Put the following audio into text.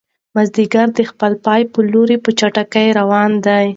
مازیګر د خپل پای په لور په چټکۍ روان دی.